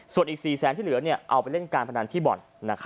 ส่วนอีก๔แสนที่เหลือเอาไปเล่นการพนันที่บ่อน